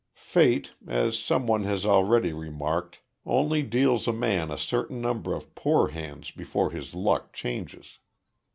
Fate, as some one has already remarked, only deals a man a certain number of poor hands before his luck changes.